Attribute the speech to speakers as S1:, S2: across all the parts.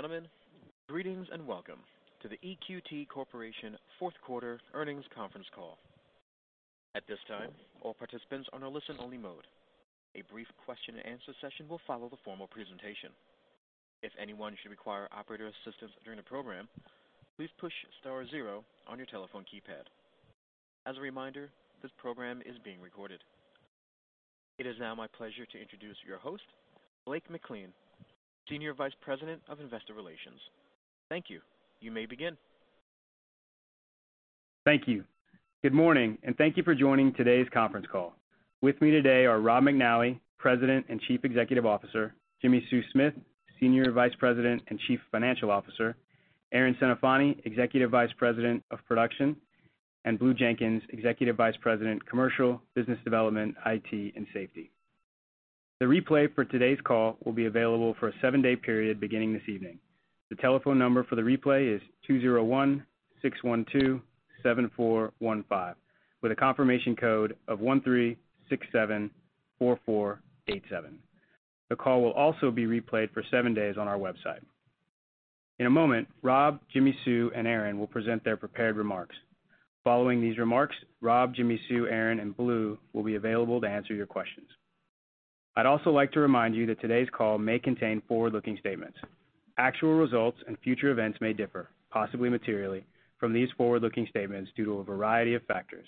S1: Gentlemen, greetings and welcome to the EQT Corporation fourth quarter earnings conference call. At this time, all participants are in a listen-only mode. A brief question-and-answer session will follow the formal presentation. If anyone should require operator assistance during the program, please push star zero on your telephone keypad. As a reminder, this program is being recorded. It is now my pleasure to introduce your host, Blake McLean, Senior Vice President of Investor Relations. Thank you. You may begin.
S2: Thank you. Good morning, and thank you for joining today's conference call. With me today are Robert McNally, President and Chief Executive Officer, Jimmi Sue Smith, Senior Vice President and Chief Financial Officer, Erin Centofanti, Executive Vice President of Production, and Blue Jenkins, Executive Vice President, Commercial Business Development, IT, and Safety. The replay for today's call will be available for a seven-day period beginning this evening. The telephone number for the replay is 2016127415, with a confirmation code of 13674487. The call will also be replayed for seven days on our website. In a moment, Rob, Jimmi Sue, and Erin will present their prepared remarks. Following these remarks, Rob, Jimmi Sue, Erin, and Blue will be available to answer your questions. I'd also like to remind you that today's call may contain forward-looking statements. Actual results and future events may differ, possibly materially, from these forward-looking statements due to a variety of factors,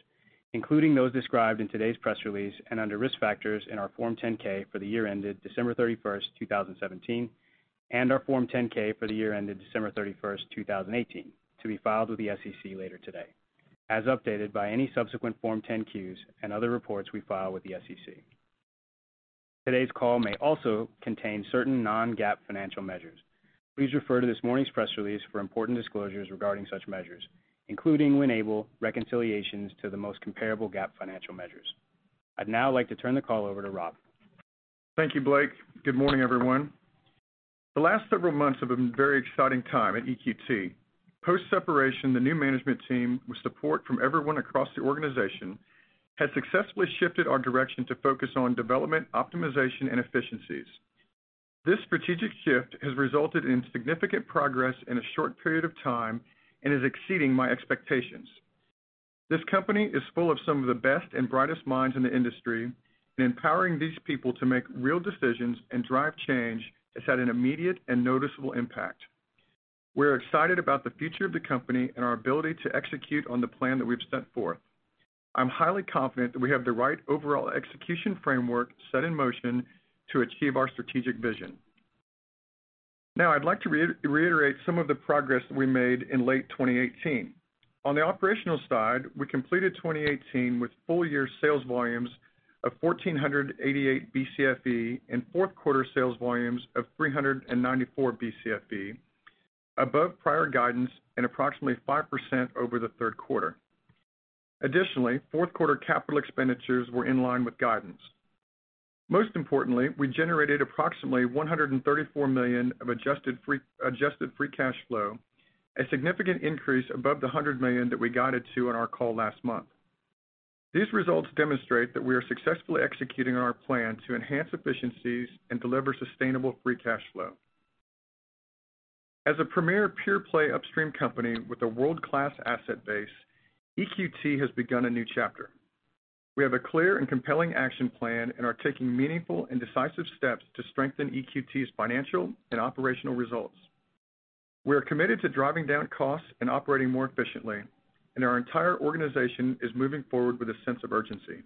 S2: including those described in today's press release and under risk factors in our Form 10-K for the year ended December 31st, 2017, and our Form 10-K for the year ended December 31st, 2018, to be filed with the SEC later today, as updated by any subsequent Form 10-Q and other reports we file with the SEC. Today's call may also contain certain non-GAAP financial measures. Please refer to this morning's press release for important disclosures regarding such measures, including, when able, reconciliations to the most comparable GAAP financial measures. I'd now like to turn the call over to Rob.
S3: Thank you, Blake. Good morning, everyone. The last several months have been a very exciting time at EQT. Post-separation, the new management team, with support from everyone across the organization, has successfully shifted our direction to focus on development, optimization, and efficiencies. This strategic shift has resulted in significant progress in a short period of time and is exceeding my expectations. This company is full of some of the best and brightest minds in the industry, and empowering these people to make real decisions and drive change has had an immediate and noticeable impact. We're excited about the future of the company and our ability to execute on the plan that we've set forth. I'm highly confident that we have the right overall execution framework set in motion to achieve our strategic vision. Now, I'd like to reiterate some of the progress that we made in late 2018. On the operational side, we completed 2018 with full-year sales volumes of 1,488 Bcfe and fourth quarter sales volumes of 394 Bcfe, above prior guidance and approximately 5% over the third quarter. Additionally, fourth quarter capital expenditures were in line with guidance. Most importantly, we generated approximately $134 million of adjusted free cash flow, a significant increase above the $100 million that we guided to on our call last month. These results demonstrate that we are successfully executing on our plan to enhance efficiencies and deliver sustainable free cash flow. As a premier pure-play upstream company with a world-class asset base, EQT has begun a new chapter. We have a clear and compelling action plan and are taking meaningful and decisive steps to strengthen EQT's financial and operational results. We are committed to driving down costs and operating more efficiently, our entire organization is moving forward with a sense of urgency.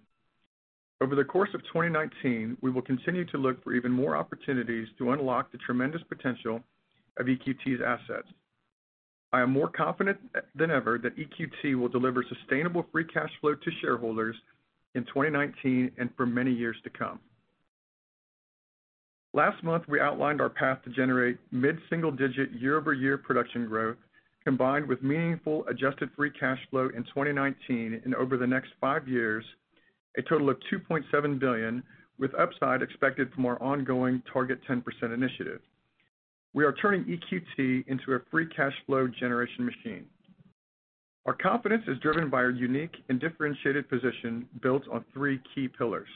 S3: Over the course of 2019, we will continue to look for even more opportunities to unlock the tremendous potential of EQT's assets. I am more confident than ever that EQT will deliver sustainable free cash flow to shareholders in 2019 and for many years to come. Last month, we outlined our path to generate mid-single-digit year-over-year production growth, combined with meaningful adjusted free cash flow in 2019 and over the next five years, a total of $2.7 billion, with upside expected from our ongoing Target 10% initiative. We are turning EQT into a free cash flow generation machine. Our confidence is driven by our unique and differentiated position built on three key pillars.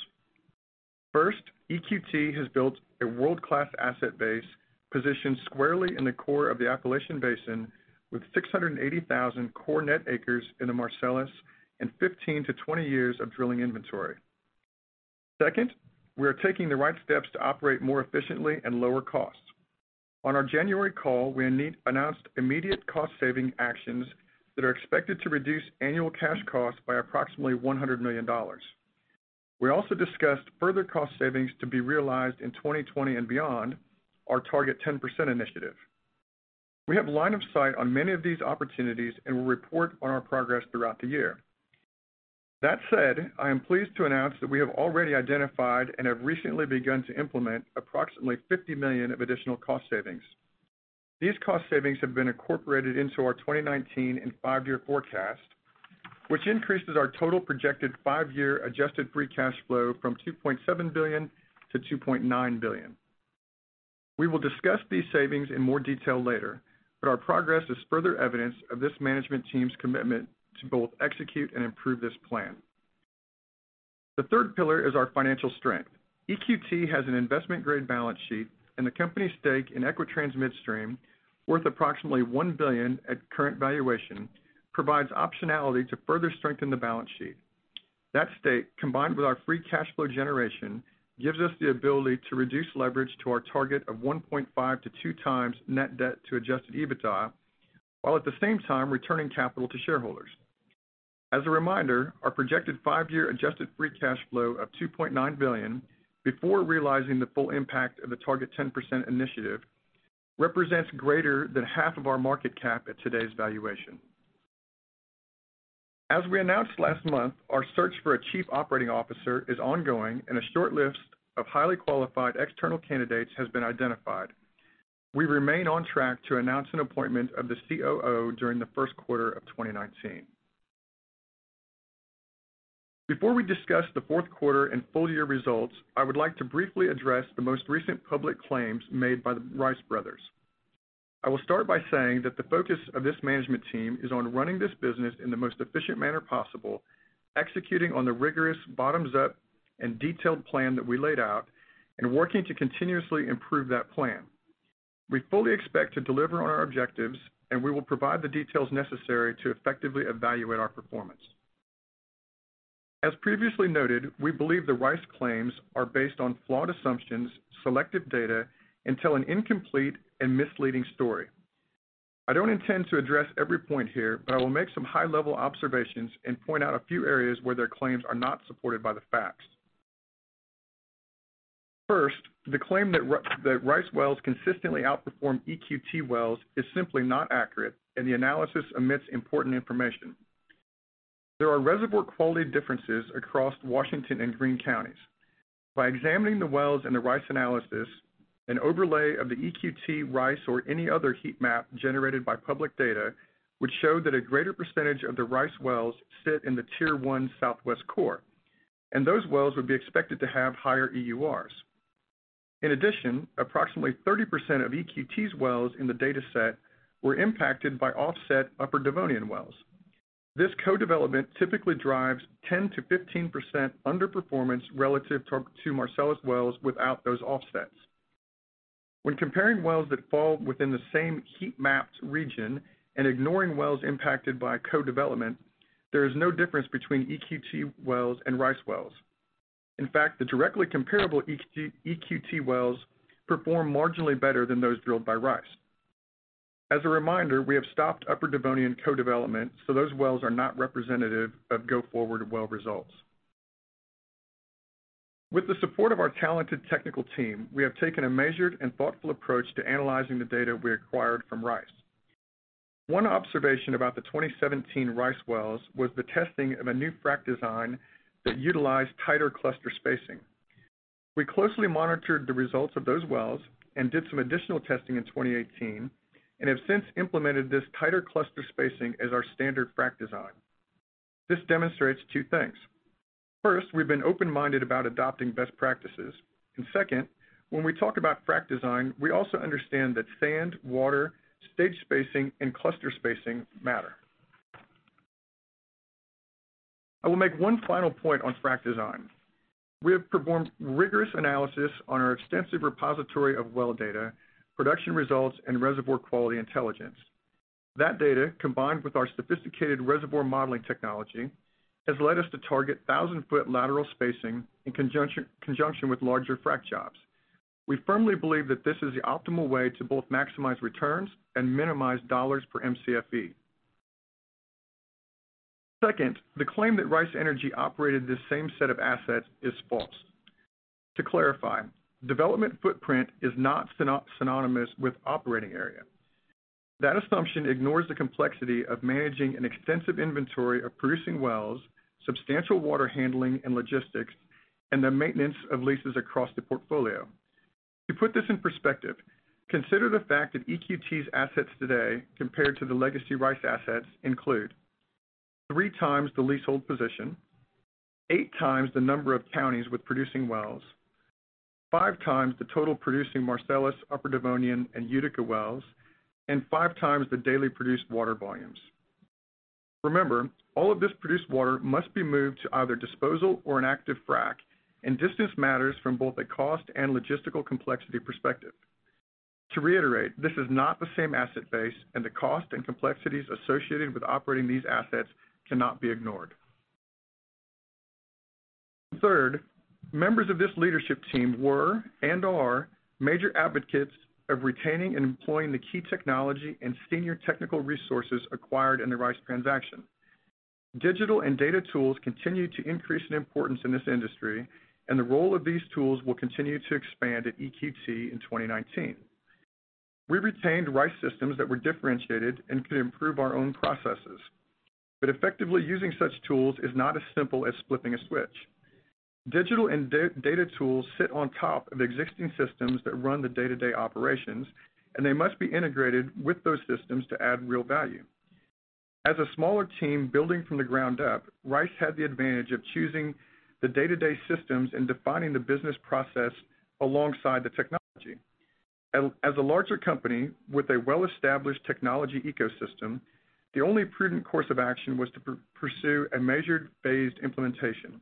S3: First, EQT has built a world-class asset base positioned squarely in the core of the Appalachian Basin with 680,000 core net acres in the Marcellus and 15 to 20 years of drilling inventory. Second, we are taking the right steps to operate more efficiently and lower costs. On our January call, we announced immediate cost-saving actions that are expected to reduce annual cash costs by approximately $100 million. We also discussed further cost savings to be realized in 2020 and beyond our Target 10% initiative. We have line of sight on many of these opportunities and will report on our progress throughout the year. That said, I am pleased to announce that we have already identified and have recently begun to implement approximately $50 million of additional cost savings. These cost savings have been incorporated into our 2019 and five-year forecast, which increases our total projected five-year adjusted free cash flow from $2.7 billion to $2.9 billion. We will discuss these savings in more detail later, our progress is further evidence of this management team's commitment to both execute and improve this plan. The third pillar is our financial strength. EQT has an investment-grade balance sheet, and the company's stake in Equitrans Midstream, worth approximately one billion at current valuation, provides optionality to further strengthen the balance sheet. That stake, combined with our free cash flow generation, gives us the ability to reduce leverage to our target of 1.5 to two times net debt to adjusted EBITDA, while at the same time returning capital to shareholders. As a reminder, our projected five-year adjusted free cash flow of $2.9 billion, before realizing the full impact of the Target 10% initiative, represents greater than half of our market cap at today's valuation. As we announced last month, our search for a Chief Operating Officer is ongoing, and a shortlist of highly qualified external candidates has been identified. We remain on track to announce an appointment of the COO during the first quarter of 2019. Before we discuss the fourth quarter and full year results, I would like to briefly address the most recent public claims made by the Rice brothers. I will start by saying that the focus of this management team is on running this business in the most efficient manner possible, executing on the rigorous bottoms-up and detailed plan that we laid out, and working to continuously improve that plan. We fully expect to deliver on our objectives. We will provide the details necessary to effectively evaluate our performance. As previously noted, we believe the Rice claims are based on flawed assumptions, selective data, and tell an incomplete and misleading story. I don't intend to address every point here. I will make some high-level observations and point out a few areas where their claims are not supported by the facts. First, the claim that Rice wells consistently outperform EQT wells is simply not accurate. The analysis omits important information. There are reservoir quality differences across Washington and Greene counties. By examining the wells in the Rice analysis, an overlay of the EQT Rice or any other heat map generated by public data would show that a greater percentage of the Rice wells sit in the Tier 1 southwest core. Those wells would be expected to have higher EURs. In addition, approximately 30% of EQT's wells in the dataset were impacted by offset Upper Devonian wells. This co-development typically drives 10%-15% underperformance relative to Marcellus wells without those offsets. When comparing wells that fall within the same heat mapped region and ignoring wells impacted by co-development, there is no difference between EQT wells and Rice wells. In fact, the directly comparable EQT wells perform marginally better than those drilled by Rice. As a reminder, we have stopped Upper Devonian co-development. Those wells are not representative of go-forward well results. With the support of our talented technical team, we have taken a measured and thoughtful approach to analyzing the data we acquired from Rice. One observation about the 2017 Rice wells was the testing of a new frack design that utilized tighter cluster spacing. We closely monitored the results of those wells and did some additional testing in 2018 and have since implemented this tighter cluster spacing as our standard frack design. This demonstrates two things. First, we've been open-minded about adopting best practices. Second, when we talk about frack design, we also understand that sand, water, stage spacing, and cluster spacing matter. I will make one final point on frack design. We have performed rigorous analysis on our extensive repository of well data, production results, and reservoir quality intelligence. That data, combined with our sophisticated reservoir modeling technology, has led us to target 1,000-foot lateral spacing in conjunction with larger frack jobs. We firmly believe that this is the optimal way to both maximize returns and minimize dollars per Mcfe. Second, the claim that Rice Energy operated this same set of assets is false. To clarify, development footprint is not synonymous with operating area. That assumption ignores the complexity of managing an extensive inventory of producing wells, substantial water handling and logistics, and the maintenance of leases across the portfolio. To put this in perspective, consider the fact that EQT's assets today compared to the legacy Rice assets include three times the leasehold position, eight times the number of counties with producing wells, five times the total producing Marcellus, Upper Devonian, and Utica wells, and five times the daily produced water volumes. Remember, all of this produced water must be moved to either disposal or an active frack, and distance matters from both a cost and logistical complexity perspective. To reiterate, this is not the same asset base, and the cost and complexities associated with operating these assets cannot be ignored. Third, members of this leadership team were and are major advocates of retaining and employing the key technology and senior technical resources acquired in the Rice transaction. Digital and data tools continue to increase in importance in this industry, and the role of these tools will continue to expand at EQT in 2019. We retained Rice systems that were differentiated and could improve our own processes. Effectively using such tools is not as simple as flipping a switch. Digital and data tools sit on top of existing systems that run the day-to-day operations, and they must be integrated with those systems to add real value. As a smaller team building from the ground up, Rice had the advantage of choosing the day-to-day systems and defining the business process alongside the technology. As a larger company with a well-established technology ecosystem, the only prudent course of action was to pursue a measured, phased implementation.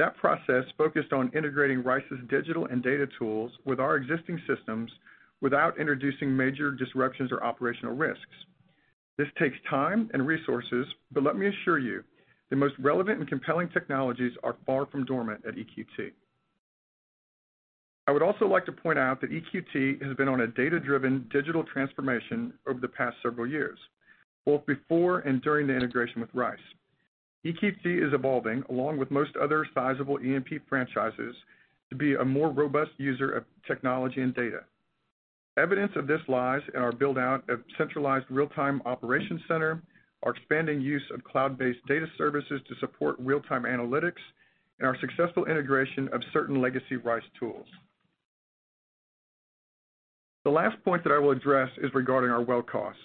S3: That process focused on integrating Rice's digital and data tools with our existing systems without introducing major disruptions or operational risks. This takes time and resources, but let me assure you, the most relevant and compelling technologies are far from dormant at EQT. I would also like to point out that EQT has been on a data-driven digital transformation over the past several years, both before and during the integration with Rice. EQT is evolving, along with most other sizable E&P franchises, to be a more robust user of technology and data. Evidence of this lies in our build-out of centralized real-time operations center, our expanding use of cloud-based data services to support real-time analytics, and our successful integration of certain legacy Rice tools. The last point that I will address is regarding our well cost.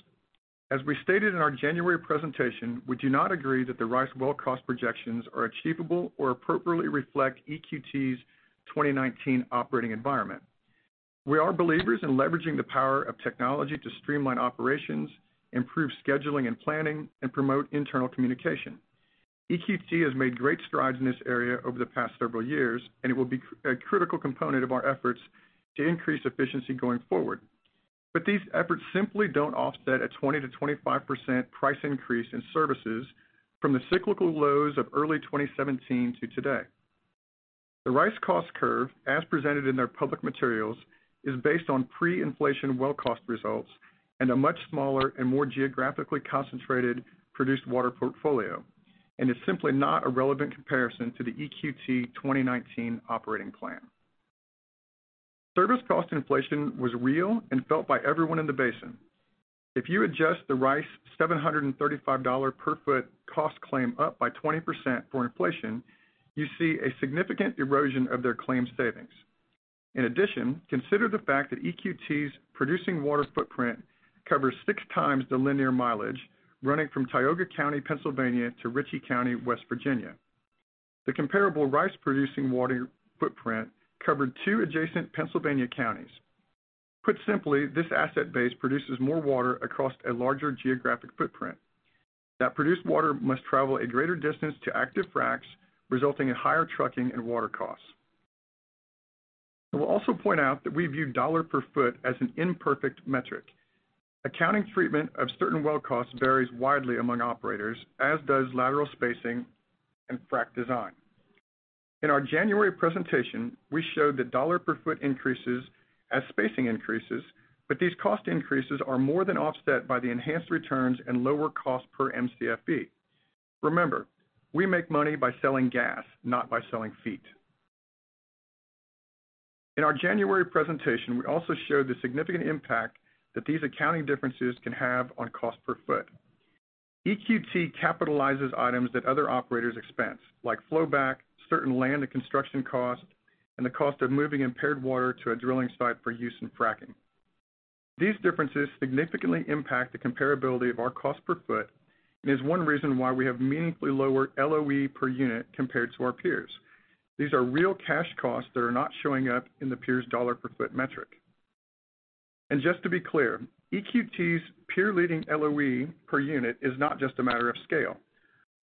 S3: As we stated in our January presentation, we do not agree that the Rice well cost projections are achievable or appropriately reflect EQT's 2019 operating environment. We are believers in leveraging the power of technology to streamline operations, improve scheduling and planning, and promote internal communication. EQT has made great strides in this area over the past several years, and it will be a critical component of our efforts to increase efficiency going forward. These efforts simply don't offset a 20%-25% price increase in services from the cyclical lows of early 2017 to today. The Rice cost curve, as presented in their public materials, is based on pre-inflation well cost results and a much smaller and more geographically concentrated produced water portfolio, and is simply not a relevant comparison to the EQT 2019 operating plan. Service cost inflation was real and felt by everyone in the basin. If you adjust the Rice $735 per foot cost claim up by 20% for inflation, you see a significant erosion of their claimed savings. In addition, consider the fact that EQT's producing water footprint covers six times the linear mileage running from Tioga County, Pennsylvania, to Ritchie County, West Virginia. The comparable Rice producing water footprint covered two adjacent Pennsylvania counties. Put simply, this asset base produces more water across a larger geographic footprint. That produced water must travel a greater distance to active fracs, resulting in higher trucking and water costs. I will also point out that we view dollar per foot as an imperfect metric. Accounting treatment of certain well costs varies widely among operators, as does lateral spacing and frac design. In our January presentation, we showed that dollar per foot increases as spacing increases, but these cost increases are more than offset by the enhanced returns and lower cost per MCFE. Remember, we make money by selling gas, not by selling feet. In our January presentation, we also showed the significant impact that these accounting differences can have on cost per foot. EQT capitalizes items that other operators expense, like flow back, certain land and construction costs, and the cost of moving impaired water to a drilling site for use in fracking. These differences significantly impact the comparability of our cost per foot and is one reason why we have meaningfully lower LOE per unit compared to our peers. These are real cash costs that are not showing up in the peers' dollar per foot metric. Just to be clear, EQT's peer-leading LOE per unit is not just a matter of scale.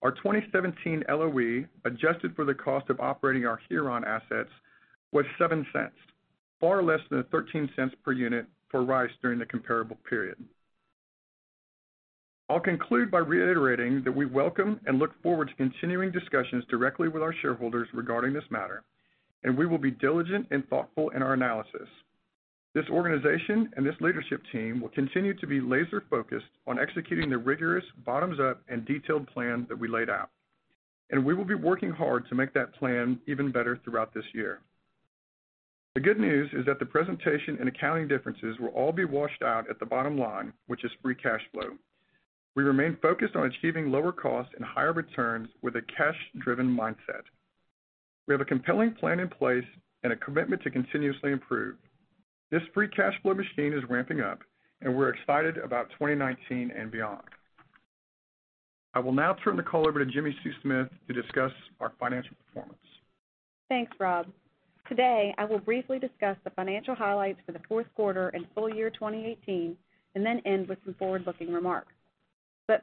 S3: Our 2017 LOE, adjusted for the cost of operating our Huron assets, was $0.07, far less than the $0.13 per unit for Rice during the comparable period. I'll conclude by reiterating that we welcome and look forward to continuing discussions directly with our shareholders regarding this matter, and we will be diligent and thoughtful in our analysis. This organization and this leadership team will continue to be laser-focused on executing the rigorous bottoms-up and detailed plan that we laid out, and we will be working hard to make that plan even better throughout this year. The good news is that the presentation and accounting differences will all be washed out at the bottom line, which is free cash flow. We remain focused on achieving lower costs and higher returns with a cash-driven mindset. We have a compelling plan in place and a commitment to continuously improve. This free cash flow machine is ramping up, and we're excited about 2019 and beyond. I will now turn the call over to Jimmi Sue Smith to discuss our financial performance.
S4: Thanks, Rob. Today, I will briefly discuss the financial highlights for the fourth quarter and full year 2018, then end with some forward-looking remarks.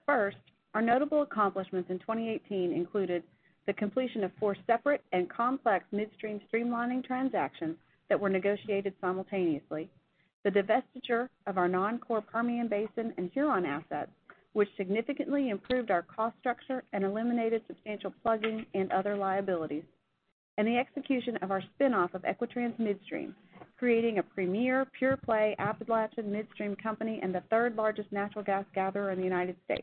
S4: First, our notable accomplishments in 2018 included the completion of four separate and complex midstream streamlining transactions that were negotiated simultaneously, the divestiture of our non-core Permian Basin and Huron assets, which significantly improved our cost structure and eliminated substantial plugging and other liabilities, and the execution of our spin-off of Equitrans Midstream, creating a premier pure-play Appalachian midstream company and the third-largest natural gas gatherer in the U.S.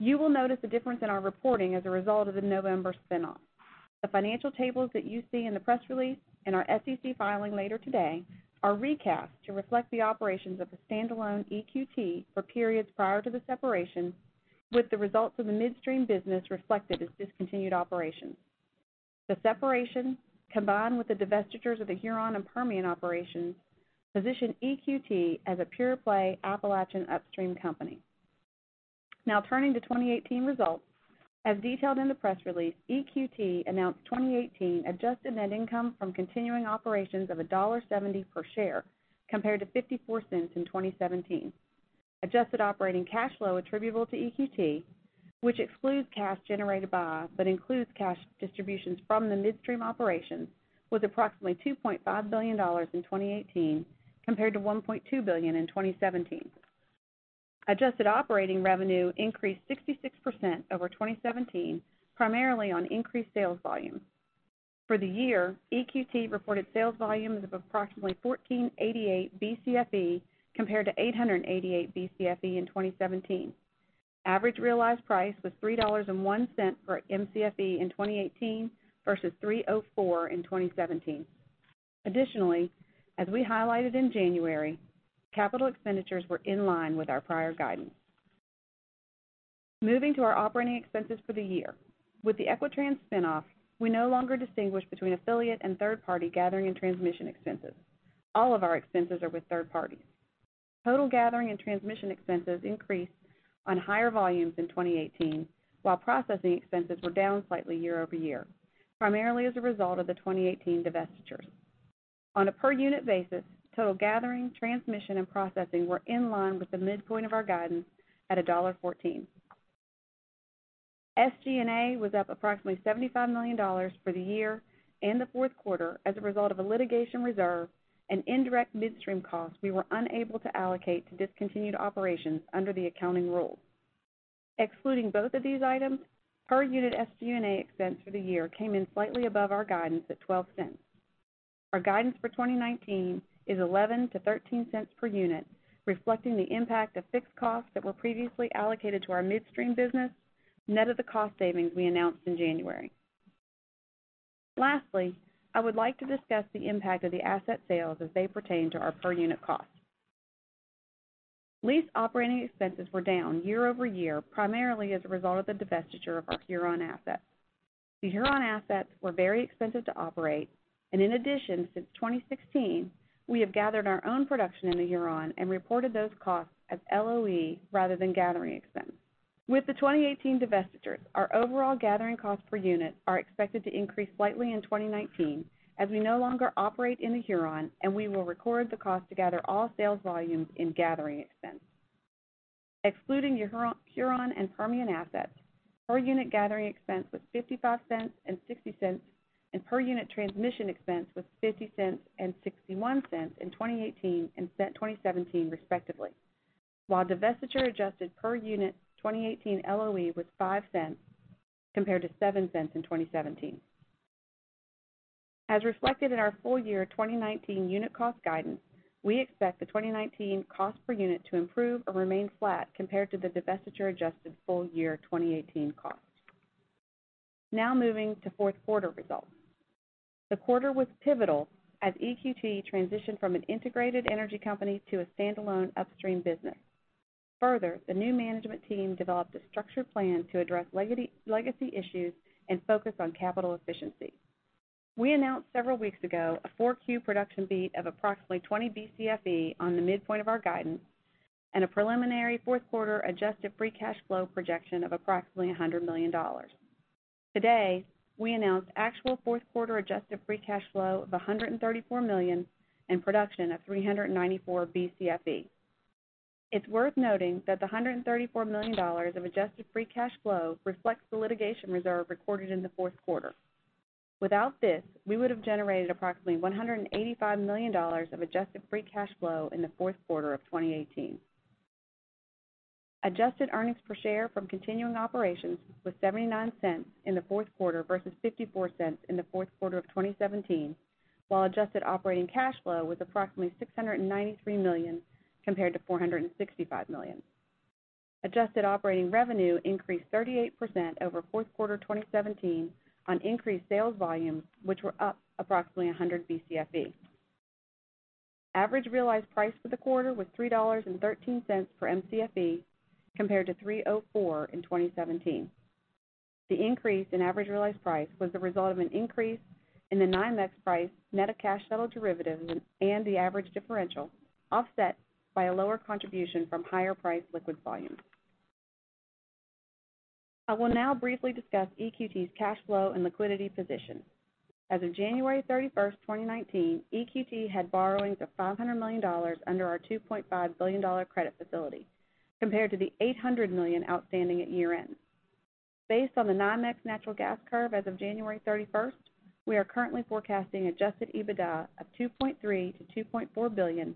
S4: You will notice a difference in our reporting as a result of the November spin-off. The financial tables that you see in the press release and our SEC filing later today are recast to reflect the operations of the standalone EQT for periods prior to the separation, with the results of the midstream business reflected as discontinued operations. The separation, combined with the divestitures of the Huron and Permian operations, position EQT as a pure-play Appalachian upstream company. Turning to 2018 results. As detailed in the press release, EQT announced 2018 adjusted net income from continuing operations of $1.70 per share compared to $0.54 in 2017. Adjusted operating cash flow attributable to EQT, which excludes cash generated by, but includes cash distributions from the midstream operations, was approximately $2.5 billion in 2018 compared to $1.2 billion in 2017. Adjusted operating revenue increased 66% over 2017, primarily on increased sales volume. For the year, EQT reported sales volumes of approximately 1,488 Bcfe compared to 888 Bcfe in 2017. Average realized price was $3.01 per Mcfe in 2018 versus $3.04 in 2017. As we highlighted in January, capital expenditures were in line with our prior guidance. Moving to our operating expenses for the year. With the Equitrans spin-off, we no longer distinguish between affiliate and third-party gathering and transmission expenses. All of our expenses are with third parties. Total gathering and transmission expenses increased on higher volumes in 2018, while processing expenses were down slightly year-over-year, primarily as a result of the 2018 divestitures. On a per-unit basis, total gathering, transmission, and processing were in line with the midpoint of our guidance at $1.14. SG&A was up approximately $75 million for the year and the fourth quarter as a result of a litigation reserve and indirect midstream costs we were unable to allocate to discontinued operations under the accounting rules. Excluding both of these items, per-unit SG&A expense for the year came in slightly above our guidance at $0.12. Our guidance for 2019 is $0.11 to $0.13 per unit, reflecting the impact of fixed costs that were previously allocated to our midstream business, net of the cost savings we announced in January. Lastly, I would like to discuss the impact of the asset sales as they pertain to our per-unit costs. Lease operating expenses were down year-over-year, primarily as a result of the divestiture of our Huron assets. The Huron assets were very expensive to operate, and in addition, since 2016, we have gathered our own production in the Huron and reported those costs as LOE rather than gathering expense. With the 2018 divestitures, our overall gathering costs per unit are expected to increase slightly in 2019 as we no longer operate in the Huron, and we will record the cost to gather all sales volumes in gathering expense. Excluding Huron and Permian assets, per-unit gathering expense was $0.55 and $0.60, and per-unit transmission expense was $0.50 and $0.61 in 2018 and 2017, respectively, while divestiture-adjusted per-unit 2018 LOE was $0.05 compared to $0.07 in 2017. As reflected in our full-year 2019 unit cost guidance, we expect the 2019 cost per unit to improve or remain flat compared to the divestiture-adjusted full-year 2018 cost. Moving to fourth quarter results. The quarter was pivotal as EQT transitioned from an integrated energy company to a standalone upstream business. The new management team developed a structured plan to address legacy issues and focus on capital efficiency. We announced several weeks ago a 4Q production beat of approximately 20 Bcfe on the midpoint of our guidance and a preliminary fourth quarter adjusted free cash flow projection of approximately $100 million. Today, we announced actual fourth quarter adjusted free cash flow of $134 million and production of 394 Bcfe. It's worth noting that the $134 million of adjusted free cash flow reflects the litigation reserve recorded in the fourth quarter. Without this, we would have generated approximately $185 million of adjusted free cash flow in the fourth quarter of 2018. Adjusted earnings per share from continuing operations was $0.79 in the fourth quarter versus $0.54 in the fourth quarter of 2017, while adjusted operating cash flow was approximately $693 million compared to $465 million. Adjusted operating revenue increased 38% over fourth quarter 2017 on increased sales volumes, which were up approximately 100 Bcfe. Average realized price for the quarter was $3.13 per Mcfe compared to $3.04 in 2017. The increase in average realized price was the result of an increase in the NYMEX price net of cash settled derivatives and the average differential, offset by a lower contribution from higher-priced liquid volumes. I will now briefly discuss EQT's cash flow and liquidity position. As of January 31st, 2019, EQT had borrowings of $500 million under our $2.5 billion credit facility, compared to the $800 million outstanding at year-end. Based on the NYMEX natural gas curve as of January 31st, we are currently forecasting adjusted EBITDA of $2.3 billion-$2.4 billion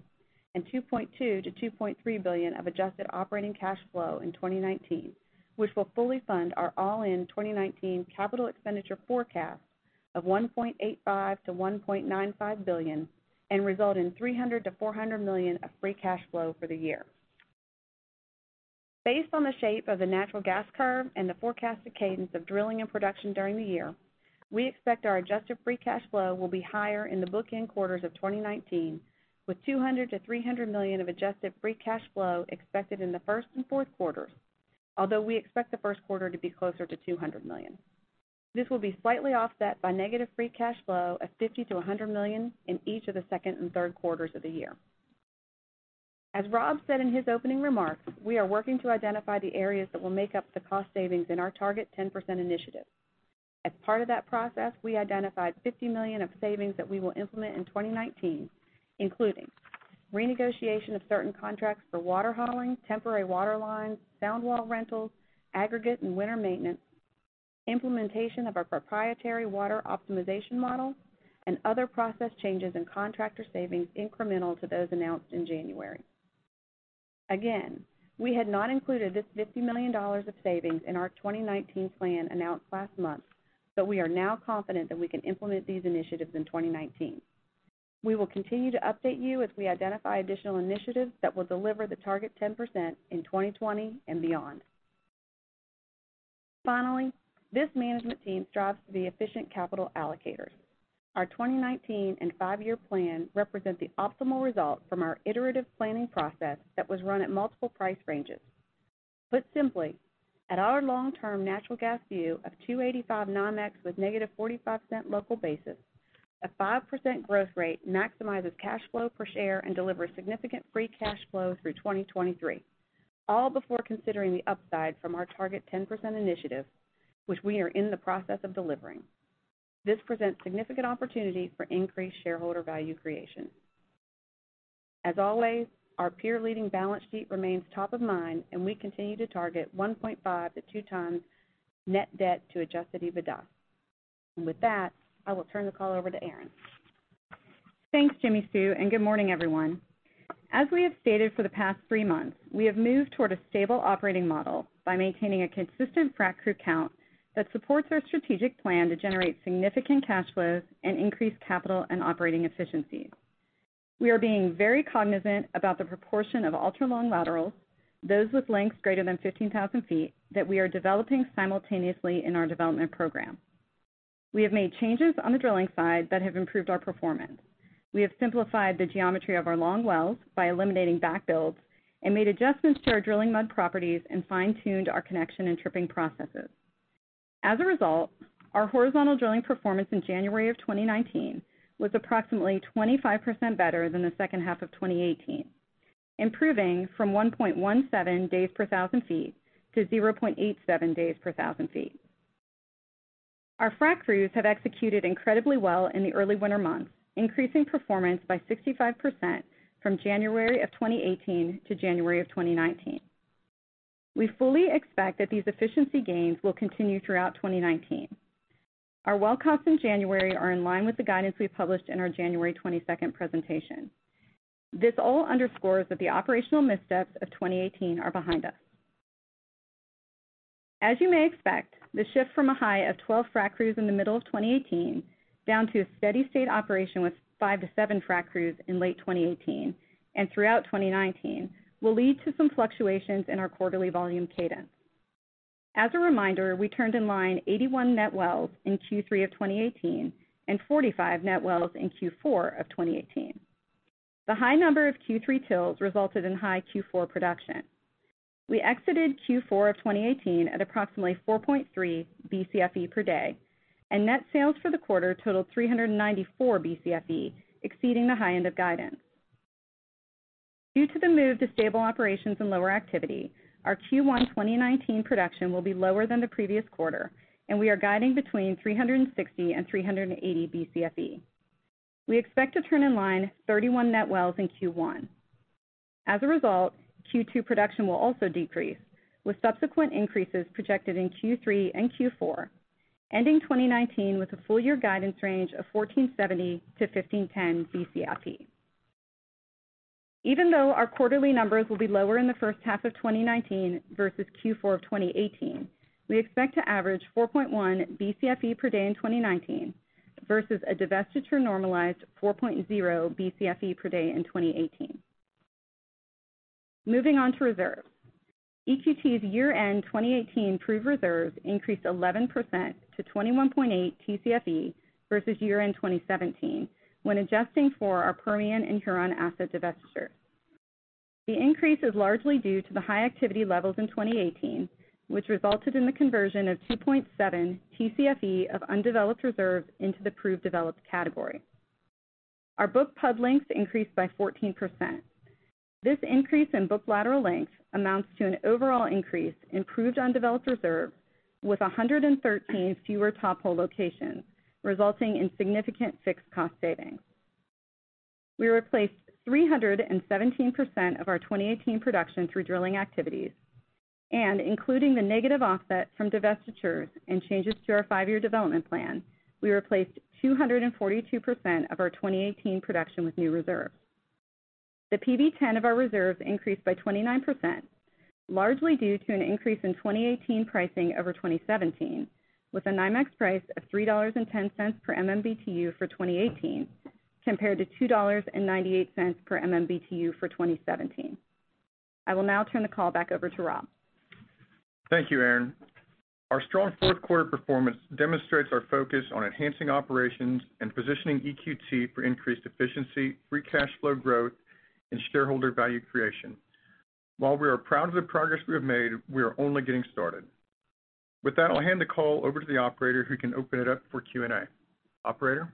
S4: and $2.2 billion-$2.3 billion of adjusted operating cash flow in 2019, which will fully fund our all-in 2019 capital expenditure forecast of $1.85 billion-$1.95 billion and result in $300 million-$400 million of free cash flow for the year. Based on the shape of the natural gas curve and the forecasted cadence of drilling and production during the year, we expect our adjusted free cash flow will be higher in the book-end quarters of 2019, with $200 million-$300 million of adjusted free cash flow expected in the first and fourth quarters. Although we expect the first quarter to be closer to $200 million. This will be slightly offset by negative free cash flow of $50 million to $100 million in each of the second and third quarters of the year. As Rob said in his opening remarks, we are working to identify the areas that will make up the cost savings in our Target 10% initiative. As part of that process, we identified $50 million of savings that we will implement in 2019, including renegotiation of certain contracts for water hauling, temporary water lines, sound wall rentals, aggregate and winter maintenance, implementation of our proprietary water optimization model, and other process changes and contractor savings incremental to those announced in January. We had not included this $50 million of savings in our 2019 plan announced last month, but we are now confident that we can implement these initiatives in 2019. We will continue to update you as we identify additional initiatives that will deliver the Target 10% in 2020 and beyond. Finally, this management team strives to be efficient capital allocators. Our 2019 and five-year plan represent the optimal result from our iterative planning process that was run at multiple price ranges. Put simply, at our long-term natural gas view of $2.85 NYMEX with negative $0.45 local basis, a 5% growth rate maximizes cash flow per share and delivers significant free cash flow through 2023, all before considering the upside from our Target 10% initiative, which we are in the process of delivering. This presents significant opportunity for increased shareholder value creation. As always, our peer-leading balance sheet remains top of mind, and we continue to target 1.5 to 2 times net debt to adjusted EBITDA. With that, I will turn the call over to Erin.
S5: Thanks, Jimmi Sue, good morning, everyone. As we have stated for the past three months, we have moved toward a stable operating model by maintaining a consistent frac crew count that supports our strategic plan to generate significant cash flows and increase capital and operating efficiencies. We are being very cognizant about the proportion of ultra-long laterals, those with lengths greater than 15,000 feet, that we are developing simultaneously in our development program. We have made changes on the drilling side that have improved our performance. We have simplified the geometry of our long wells by eliminating back builds and made adjustments to our drilling mud properties and fine-tuned our connection and tripping processes. As a result, our horizontal drilling performance in January of 2019 was approximately 25% better than the second half of 2018, improving from 1.17 days per 1,000 feet to 0.87 days per 1,000 feet. Our frac crews have executed incredibly well in the early winter months, increasing performance by 65% from January of 2018 to January of 2019. We fully expect that these efficiency gains will continue throughout 2019. Our well costs in January are in line with the guidance we published in our January 22nd presentation. This all underscores that the operational missteps of 2018 are behind us. As you may expect, the shift from a high of 12 frac crews in the middle of 2018 down to a steady state operation with five to seven frac crews in late 2018 and throughout 2019 will lead to some fluctuations in our quarterly volume cadence. As a reminder, we turned in line 81 net wells in Q3 of 2018 and 45 net wells in Q4 of 2018. The high number of Q3 TILs resulted in high Q4 production. We exited Q4 of 2018 at approximately 4.3 Bcfe per day, net sales for the quarter totaled 394 Bcfe, exceeding the high end of guidance. Due to the move to stable operations and lower activity, our Q1 2019 production will be lower than the previous quarter, we are guiding between 360 and 380 Bcfe. We expect to turn in line 31 net wells in Q1. As a result, Q2 production will also decrease, with subsequent increases projected in Q3 and Q4, ending 2019 with a full-year guidance range of 1,470 to 1,510 BCFP. Even though our quarterly numbers will be lower in the first half of 2019 versus Q4 of 2018, we expect to average 4.1 Bcfe per day in 2019 versus a divestiture-normalized 4.0 Bcfe per day in 2018. Moving on to reserves. EQT's year-end 2018 proved reserves increased 11% to 21.8 Tcfe versus year-end 2017, when adjusting for our Permian and Huron asset divestiture. The increase is largely due to the high activity levels in 2018, which resulted in the conversion of 2.7 Tcfe of undeveloped reserves into the proved developed category. Our book PUD length increased by 14%. This increase in book lateral length amounts to an overall increase in proved undeveloped reserves with 113 fewer top hole locations, resulting in significant fixed cost savings. We replaced 317% of our 2018 production through drilling activities. Including the negative offset from divestitures and changes to our five-year development plan, we replaced 242% of our 2018 production with new reserves. The PV-10 of our reserves increased by 29%, largely due to an increase in 2018 pricing over 2017, with a NYMEX price of $3.10 per MMBtu for 2018, compared to $2.98 per MMBtu for 2017. I will now turn the call back over to Rob.
S3: Thank you, Erin. Our strong fourth quarter performance demonstrates our focus on enhancing operations and positioning EQT for increased efficiency, free cash flow growth, and shareholder value creation. While we are proud of the progress we have made, we are only getting started. With that, I'll hand the call over to the operator who can open it up for Q&A. Operator?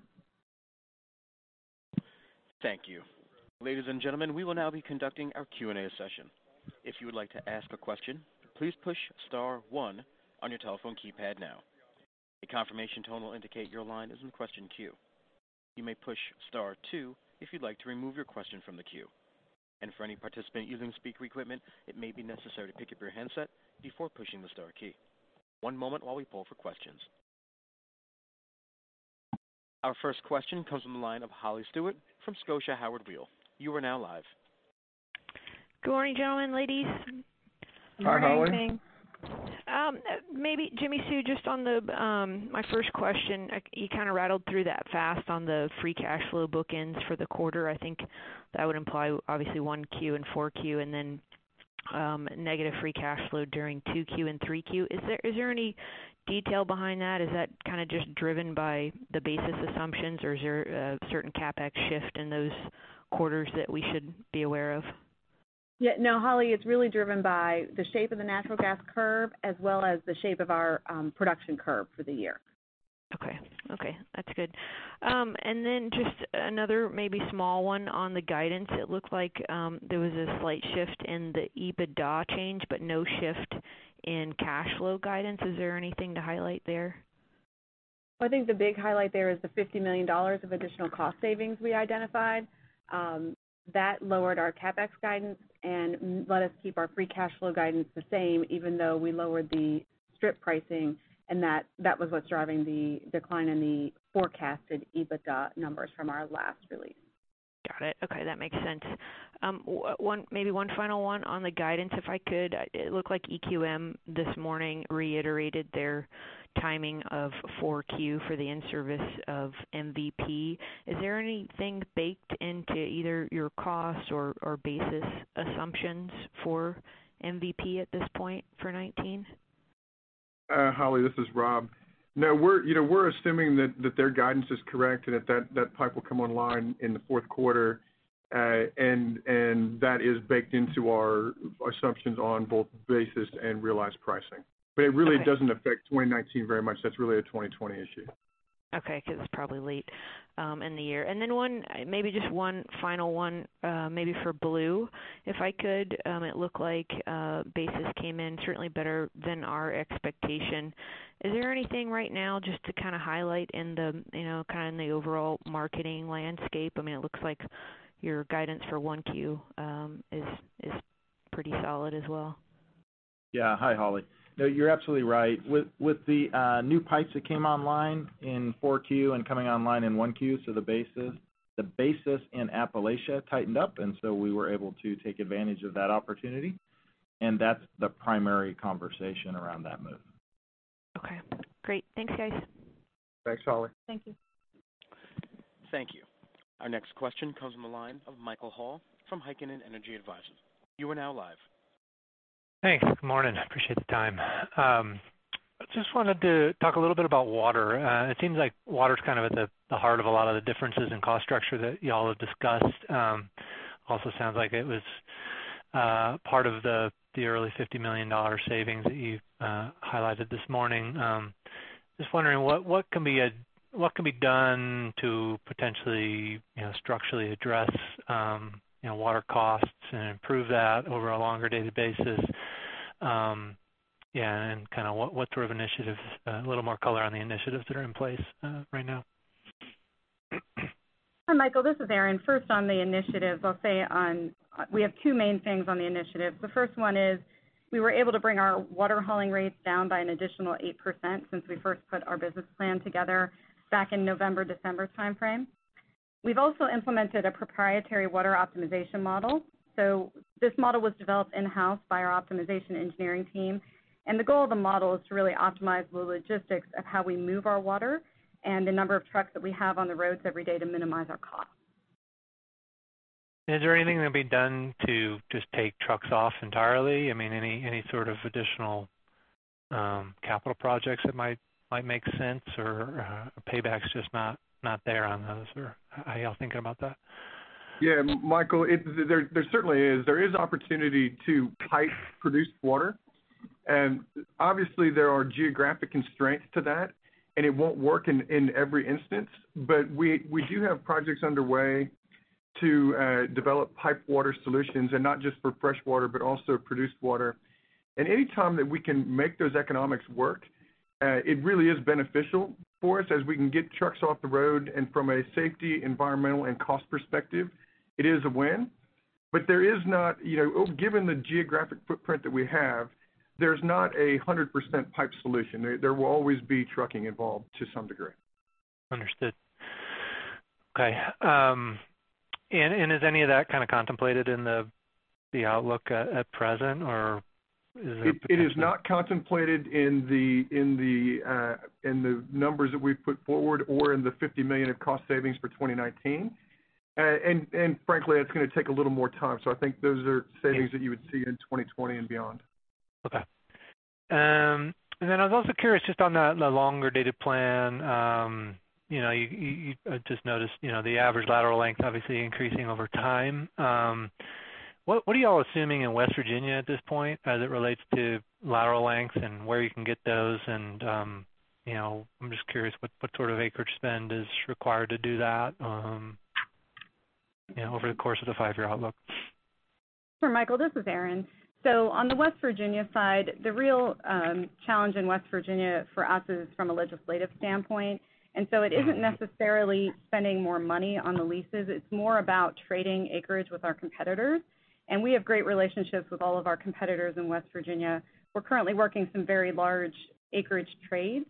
S1: Thank you. Ladies and gentlemen, we will now be conducting our Q&A session. If you would like to ask a question, please push star one on your telephone keypad now. A confirmation tone will indicate your line is in question queue. You may push star two if you'd like to remove your question from the queue. For any participant using speaker equipment, it may be necessary to pick up your handset before pushing the star key. One moment while we poll for questions. Our first question comes from the line of Holly Stewart from Scotia Howard Weil. You are now live.
S6: Good morning, gentlemen, ladies.
S3: Hi, Holly.
S6: Jimmi Sue, my first question, you kind of rattled through that fast on the free cash flow bookends for the quarter. I think that would imply obviously 1Q and 4Q and then negative free cash flow during 2Q and 3Q. Is there any detail behind that? Is that kind of just driven by the basis assumptions, or is there a certain CapEx shift in those quarters that we should be aware of?
S4: Yeah. No, Holly, it's really driven by the shape of the natural gas curve as well as the shape of our production curve for the year.
S6: Okay. That's good. Just another maybe small one on the guidance. It looked like there was a slight shift in the EBITDA change, but no shift in cash flow guidance. Is there anything to highlight there?
S4: I think the big highlight there is the $50 million of additional cost savings we identified. That lowered our CapEx guidance and let us keep our free cash flow guidance the same, even though we lowered the strip pricing and that was what's driving the decline in the forecasted EBITDA numbers from our last release.
S6: Got it. Okay. That makes sense. Maybe one final one on the guidance, if I could. It looked like EQM this morning reiterated their timing of 4Q for the in-service of MVP. Is there anything baked into either your cost or basis assumptions for MVP at this point for 2019?
S3: Holly, this is Rob. No, we're assuming that their guidance is correct and that pipe will come online in the fourth quarter, and that is baked into our assumptions on both basis and realized pricing.
S6: Okay.
S3: It really doesn't affect 2019 very much. That's really a 2020 issue.
S6: Okay, because it's probably late in the year. Maybe just one final one maybe for Blue, if I could. It looked like basis came in certainly better than our expectation. Is there anything right now just to kind of highlight in the overall marketing landscape? It looks like your guidance for 1Q is pretty solid as well.
S7: Yeah. Hi, Holly. No, you're absolutely right. With the new pipes that came online in four Q and coming online in one Q, so the basis in Appalachia tightened up, and so we were able to take advantage of that opportunity, and that's the primary conversation around that move.
S6: Okay, great. Thanks, guys.
S3: Thanks, Holly.
S5: Thank you.
S1: Thank you. Our next question comes from the line of Michael Hall from Heikkinen Energy Advisors. You are now live.
S8: Thanks. Good morning. Appreciate the time. Just wanted to talk a little bit about water. It seems like water's kind of at the heart of a lot of the differences in cost structure that y'all have discussed. Also sounds like it was part of the early $50 million savings that you highlighted this morning. Just wondering what can be done to potentially structurally address water costs and improve that over a longer data basis? Kind of what sort of initiatives, a little more color on the initiatives that are in place right now.
S5: Hi, Michael. This is Erin. First on the initiative, I'll say we have two main things on the initiative. The first one is we were able to bring our water hauling rates down by an additional 8% since we first put our business plan together back in November, December timeframe. We've also implemented a proprietary water optimization model. This model was developed in-house by our optimization engineering team, the goal of the model is to really optimize the logistics of how we move our water and the number of trucks that we have on the roads every day to minimize our cost.
S8: Is there anything that can be done to just take trucks off entirely? Any sort of additional capital projects that might make sense or are paybacks just not there on those? How are y'all thinking about that?
S3: Yeah, Michael, there certainly is. There is opportunity to pipe produced water. Obviously, there are geographic constraints to that, and it won't work in every instance. We do have projects underway to develop pipe water solutions, and not just for fresh water, but also produced water. Any time that we can make those economics work, it really is beneficial for us as we can get trucks off the road, and from a safety, environmental, and cost perspective, it is a win. Given the geographic footprint that we have, there's not 100% pipe solution. There will always be trucking involved to some degree.
S8: Understood. Okay. Is any of that kind of contemplated in the outlook at present or is there.
S3: It is not contemplated in the numbers that we've put forward or in the $50 million of cost savings for 2019. Frankly, that's going to take a little more time. I think those are savings that you would see in 2020 and beyond.
S8: Okay. Then I was also curious just on the longer-dated plan. I just noticed the average lateral length obviously increasing over time. What are you all assuming in West Virginia at this point as it relates to lateral length and where you can get those? I'm just curious what sort of acreage spend is required to do that over the course of the five-year outlook.
S5: Sure, Michael Hall, this is Erin Centofanti. On the West Virginia side, the real challenge in West Virginia for us is from a legislative standpoint. It isn't necessarily spending more money on the leases, it's more about trading acreage with our competitors. We have great relationships with all of our competitors in West Virginia. We're currently working some very large acreage trades,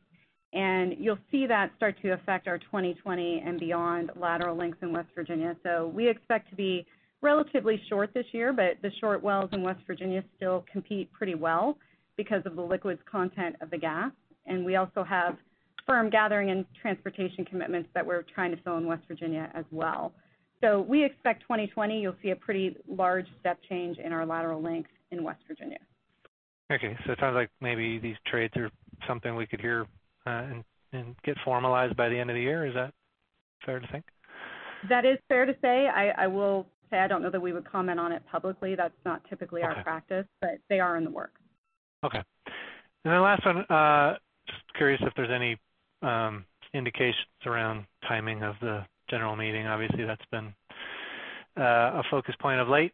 S5: and you'll see that start to affect our 2020 and beyond lateral lengths in West Virginia. We expect to be relatively short this year, but the short wells in West Virginia still compete pretty well because of the liquids content of the gas. We also have firm gathering and transportation commitments that we're trying to fill in West Virginia as well. We expect 2020 you'll see a pretty large step change in our lateral lengths in West Virginia.
S8: It sounds like maybe these trades are something we could hear and get formalized by the end of the year. Is that fair to think?
S5: That is fair to say. I will say I don't know that we would comment on it publicly. That's not typically our practice.
S8: Okay.
S5: They are in the works.
S8: Last one. Just curious if there's any indications around timing of the general meeting. Obviously, that's been a focus point of late.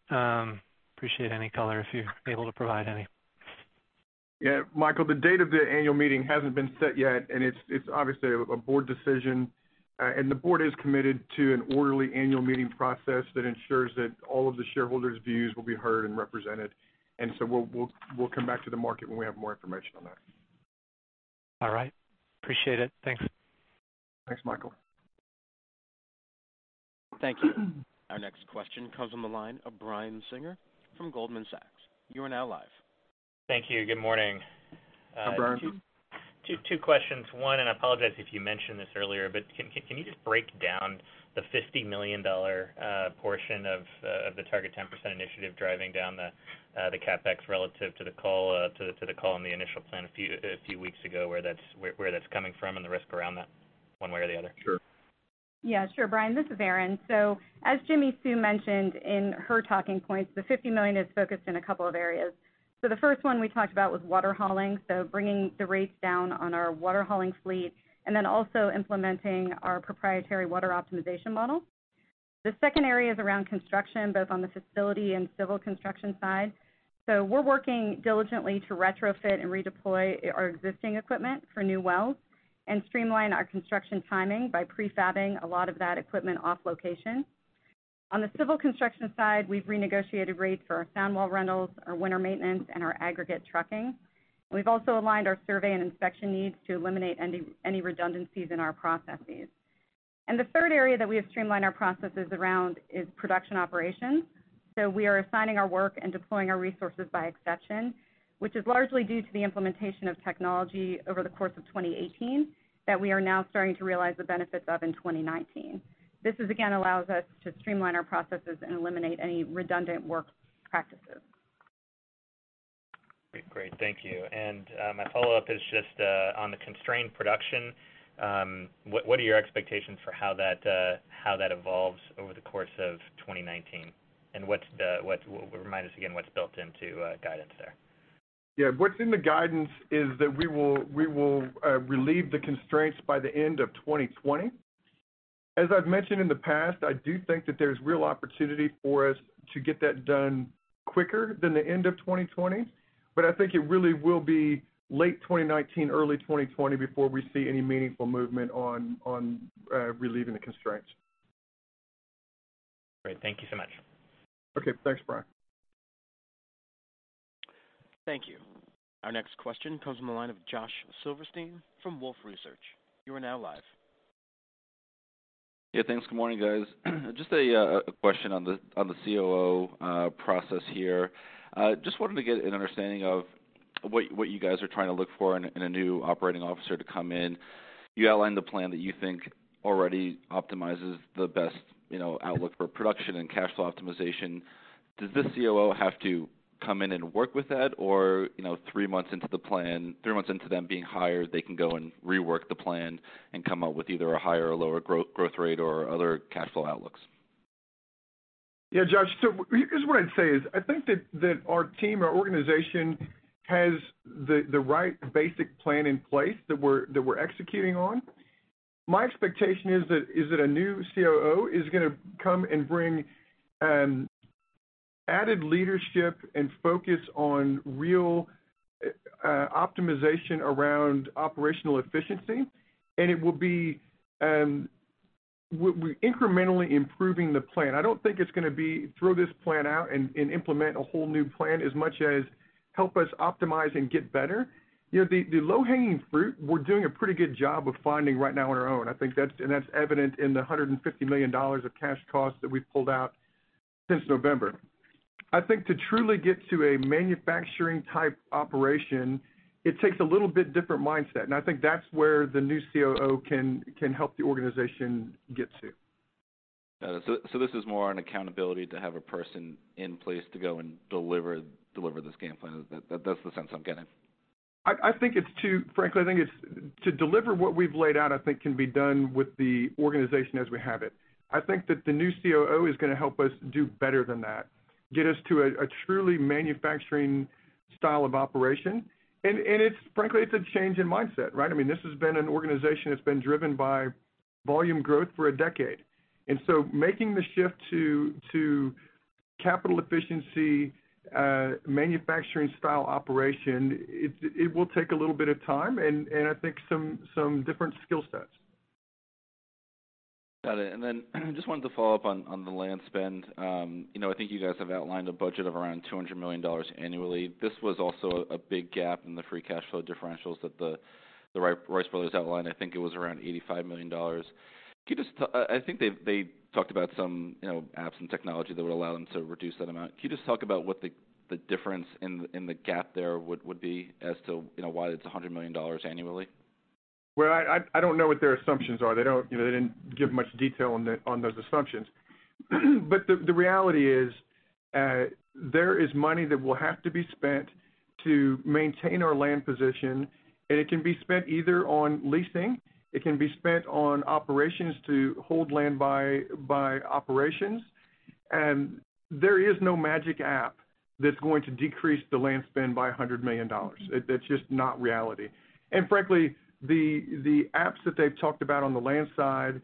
S8: Appreciate any color if you're able to provide any.
S3: Michael, the date of the annual meeting hasn't been set yet. It's obviously a board decision. The board is committed to an orderly annual meeting process that ensures that all of the shareholders' views will be heard and represented. We'll come back to the market when we have more information on that.
S8: Appreciate it. Thanks.
S3: Thanks, Michael.
S1: Thank you. Our next question comes on the line of Brian Singer from Goldman Sachs. You are now live.
S9: Thank you. Good morning.
S3: Hi, Brian.
S9: Two questions. One, I apologize if you mentioned this earlier, Can you just break down the $50 million portion of the Target 10% initiative driving down the CapEx relative to the call on the initial plan a few weeks ago, where that's coming from and the risk around that one way or the other?
S3: Sure.
S5: Sure, Brian. This is Erin. As Jimmi Sue mentioned in her talking points, the $50 million is focused in a couple of areas. The first one we talked about was water hauling, so bringing the rates down on our water hauling fleet, and also implementing our proprietary water optimization model. The second area is around construction, both on the facility and civil construction side. We're working diligently to retrofit and redeploy our existing equipment for new wells and streamline our construction timing by pre-fabbing a lot of that equipment off location. On the civil construction side, we've renegotiated rates for our sound wall rentals, our winter maintenance, and our aggregate trucking. We've also aligned our survey and inspection needs to eliminate any redundancies in our processes. The third area that we have streamlined our processes around is production operations. We are assigning our work and deploying our resources by exception, which is largely due to the implementation of technology over the course of 2018 that we are now starting to realize the benefits of in 2019. This again allows us to streamline our processes and eliminate any redundant work practices.
S9: Great. Thank you. My follow-up is just on the constrained production. What are your expectations for how that evolves over the course of 2019, and remind us again what's built into guidance there?
S3: What's in the guidance is that we will relieve the constraints by the end of 2020. As I've mentioned in the past, I do think that there's real opportunity for us to get that done quicker than the end of 2020, but I think it really will be late 2019, early 2020 before we see any meaningful movement on relieving the constraints.
S9: Great. Thank you so much.
S3: Okay. Thanks, Brian.
S1: Thank you. Our next question comes from the line of Josh Silverstein from Wolfe Research. You are now live.
S10: Thanks. Good morning, guys. Just a question on the COO process here. Just wanted to get an understanding of what you guys are trying to look for in a new operating officer to come in. You outlined the plan that you think already optimizes the best outlook for production and cash flow optimization. Does the COO have to come in and work with that? Three months into them being hired, they can go and rework the plan and come up with either a higher or lower growth rate or other cash flow outlooks?
S3: Josh. Here's what I'd say is I think that our team, our organization, has the right basic plan in place that we're executing on. My expectation is that a new COO is going to come and bring added leadership and focus on real optimization around operational efficiency, and it will be incrementally improving the plan. I don't think it's going to be throw this plan out and implement a whole new plan as much as help us optimize and get better. The low-hanging fruit, we're doing a pretty good job of finding right now on our own. That's evident in the $150 million of cash costs that we've pulled out since November. I think to truly get to a manufacturing-type operation, it takes a little bit different mindset, and I think that's where the new COO can help the organization get to.
S10: Got it. This is more on accountability to have a person in place to go and deliver this game plan. That's the sense I'm getting.
S3: Frankly, I think to deliver what we've laid out, I think can be done with the organization as we have it. I think that the new COO is going to help us do better than that, get us to a truly manufacturing style of operation, and frankly, it's a change in mindset, right? This has been an organization that's been driven by volume growth for a decade. Making the shift to capital efficiency, manufacturing style operation, it will take a little bit of time, and I think some different skill sets.
S10: Got it. Just wanted to follow up on the land spend. I think you guys have outlined a budget of around $200 million annually. This was also a big gap in the free cash flow differentials that the Rice brothers outlined. I think it was around $85 million. I think they talked about some apps and technology that would allow them to reduce that amount. Can you just talk about what the difference in the gap there would be as to why it's $100 million annually?
S3: I don't know what their assumptions are. They didn't give much detail on those assumptions. The reality is, there is money that will have to be spent to maintain our land position, and it can be spent either on leasing, it can be spent on operations to hold land by operations. There is no magic app that's going to decrease the land spend by $100 million. That's just not reality. Frankly, the apps that they've talked about on the land side,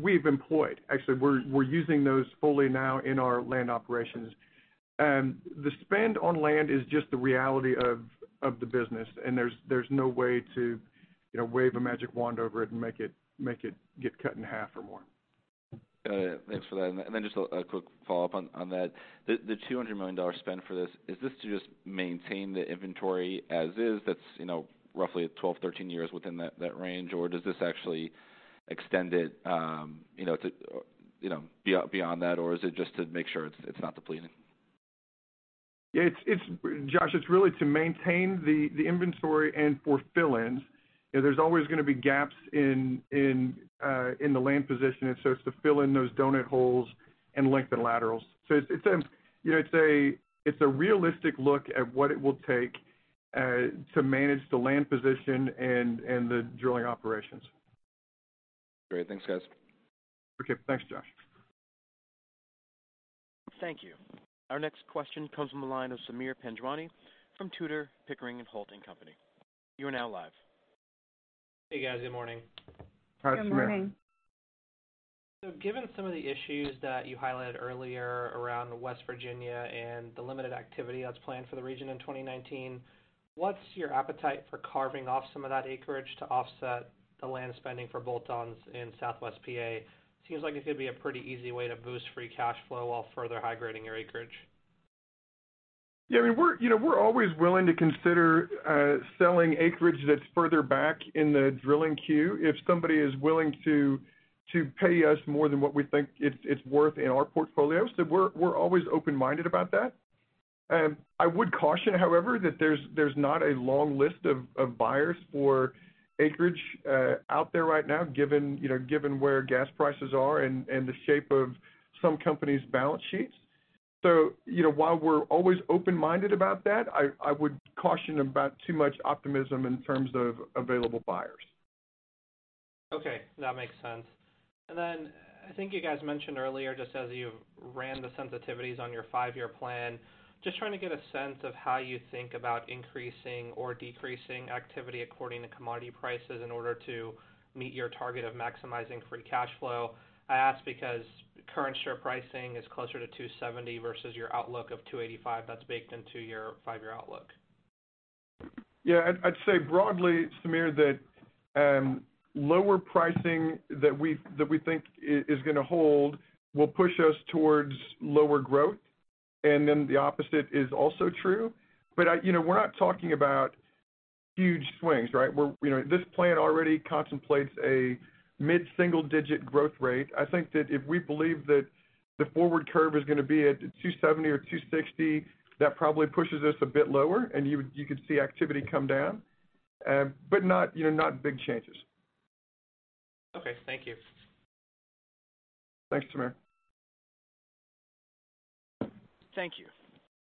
S3: we've employed. Actually, we're using those fully now in our land operations. The spend on land is just the reality of the business, there's no way to wave a magic wand over it and make it get cut in half or more.
S10: Got it. Thanks for that. Just a quick follow-up on that. The $200 million spend for this, is this to just maintain the inventory as is? That's roughly at 12, 13 years, within that range, or does this actually extend it beyond that, or is it just to make sure it's not depleting?
S3: Josh, it's really to maintain the inventory and for fill-ins. There's always going to be gaps in the land position, it's to fill in those doughnut holes and lengthen laterals. It's a realistic look at what it will take to manage the land position and the drilling operations.
S10: Great. Thanks, guys.
S3: Okay. Thanks, Josh.
S1: Thank you. Our next question comes from the line of Sameer Panjwani from Tudor, Pickering, Holt & Co. You are now live.
S11: Hey, guys. Good morning.
S3: Hi, Sameer.
S12: Good morning.
S11: Given some of the issues that you highlighted earlier around West Virginia and the limited activity that's planned for the region in 2019, what's your appetite for carving off some of that acreage to offset the land spending for bolt-ons in Southwest PA? Seems like it could be a pretty easy way to boost free cash flow while further high-grading your acreage.
S3: Yeah, we're always willing to consider selling acreage that's further back in the drilling queue if somebody is willing to pay us more than what we think it's worth in our portfolio. We're always open-minded about that. I would caution, however, that there's not a long list of buyers for acreage out there right now, given where gas prices are and the shape of some companies' balance sheets. While we're always open-minded about that, I would caution about too much optimism in terms of available buyers.
S11: Okay. That makes sense. I think you guys mentioned earlier, just as you ran the sensitivities on your five-year plan, just trying to get a sense of how you think about increasing or decreasing activity according to commodity prices in order to meet your target of maximizing free cash flow. I ask because current share pricing is closer to $270 versus your outlook of $285 that's baked into your five-year outlook.
S3: Yeah. I'd say broadly, Sameer, that lower pricing that we think is going to hold will push us towards lower growth. The opposite is also true. We're not talking about huge swings, right? This plan already contemplates a mid-single-digit growth rate. I think that if we believe that the forward curve is going to be at $2.70 or $2.60, that probably pushes us a bit lower, and you could see activity come down. Not big changes.
S11: Okay. Thank you.
S3: Thanks, Sameer.
S1: Thank you.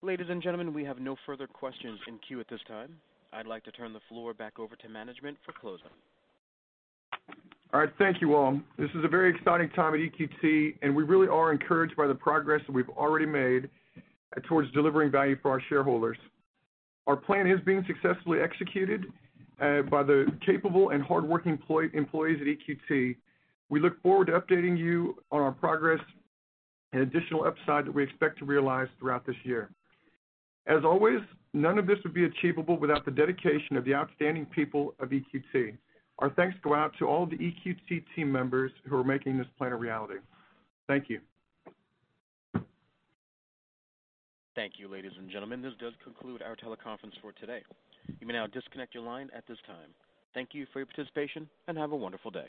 S1: Ladies and gentlemen, we have no further questions in queue at this time. I'd like to turn the floor back over to management for closing.
S3: All right. Thank you, all. This is a very exciting time at EQT. We really are encouraged by the progress that we've already made towards delivering value for our shareholders. Our plan is being successfully executed by the capable and hardworking employees at EQT. We look forward to updating you on our progress and additional upside that we expect to realize throughout this year. As always, none of this would be achievable without the dedication of the outstanding people of EQT. Our thanks go out to all of the EQT team members who are making this plan a reality. Thank you.
S1: Thank you, ladies and gentlemen. This does conclude our teleconference for today. You may now disconnect your line at this time. Thank you for your participation. Have a wonderful day.